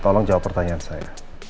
tolong jawab pertanyaan saya